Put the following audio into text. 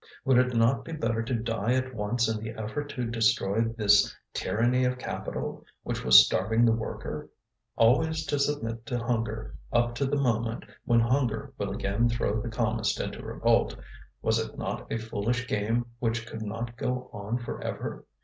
Would it not be better to die at once in the effort to destroy this tyranny of capital, which was starving the worker? Always to submit to hunger up to the moment when hunger will again throw the calmest into revolt, was it not a foolish game which could not go on for ever?